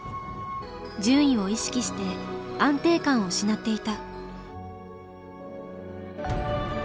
順位を意識して安定感を失っていた。